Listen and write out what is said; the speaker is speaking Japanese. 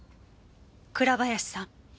倉林さん。